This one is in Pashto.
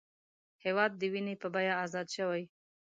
هېواد د وینې په بیه ازاد شوی